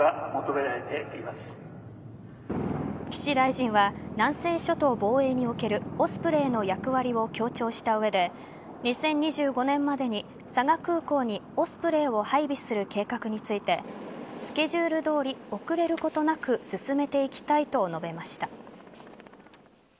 岸大臣は南西諸島防衛におけるオスプレイの役割を強調した上で２０２５年までに佐賀空港にオスプレイを配備する計画についてスケジュールどおり遅れることなく進めていきたいと述べました。